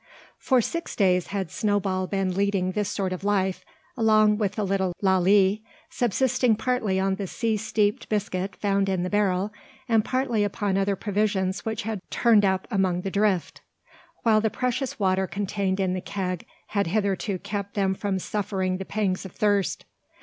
For six days had Snowball been leading this sort of life, along with the little Lalee, subsisting partly on the sea steeped biscuit found in the barrel, and partly upon other provisions which had turned up among the drift; while the precious water contained in the keg had hitherto kept them from suffering the pangs of thirst.